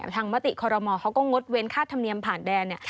มติคอรมอลเขาก็งดเว้นค่าธรรมเนียมผ่านแดน